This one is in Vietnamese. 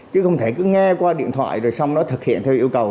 chứ không thể cứ nghe qua điện thoại rồi xong nó thực hiện theo yêu cầu